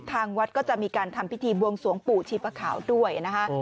ทางวัดก็จะมีการทำพิธีบวงสวงปู่ชีปะขาวด้วยนะคะ